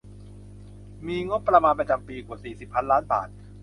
มีงบประมาณประจำปีกว่า สิบสี่ พันล้านบาท